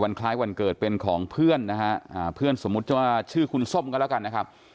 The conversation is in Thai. คล้ายวันเกิดเป็นของเพื่อนนะฮะเพื่อนสมมุติว่าชื่อคุณส้มก็แล้วกันนะครับ